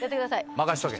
任しとけ。